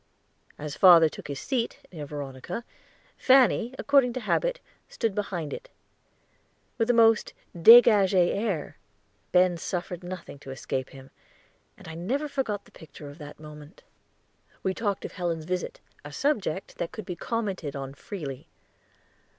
As father took his seat, near Veronica, Fanny, according to habit, stood behind it. With the most degagé air, Ben suffered nothing to escape him, and I never forgot the picture of that moment. We talked of Helen's visit a subject that could be commented on freely.